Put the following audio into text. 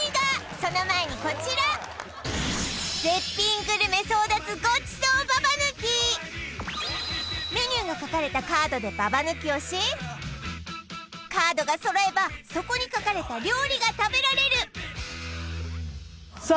その前にこちらメニューが書かれたカードでババ抜きをしカードが揃えばそこに書かれた料理が食べられるさあ